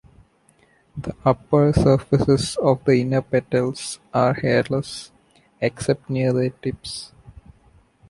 The upper surfaces of the inner petals are hairless except near their tips.